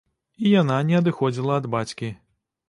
І яна не адыходзіла ад бацькі.